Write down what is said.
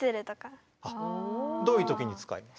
どういう時に使います？